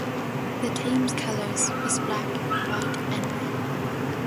The team's colours was black, white and red.